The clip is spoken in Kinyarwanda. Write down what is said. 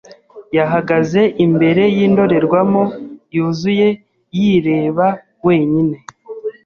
yahagaze imbere yindorerwamo yuzuye, yireba wenyine.